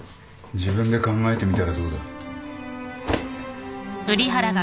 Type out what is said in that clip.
自分で考えてみたらどうだ。